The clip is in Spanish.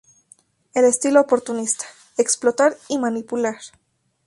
El estilo oportunista: explotar y manipular.